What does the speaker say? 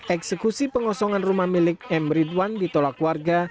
eksekusi pengosongan rumah milik m ridwan ditolak warga